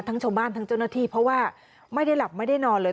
ทั้งช่วงบ้านทั้งจุณฐีเพราะว่าไม่ได้หลับไม่ได้นอนเลย